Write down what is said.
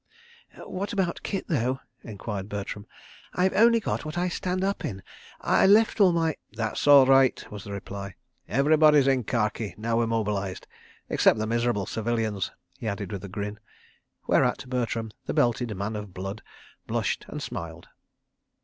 "What about kit, though?" enquired Bertram. "I've only got what I stand up in. I left all my—" "That's all right," was the reply. "Everybody's in khaki, now we're mobilised—except the miserable civilians," he added with a grin, whereat Bertram, the belted man of blood, blushed and smiled.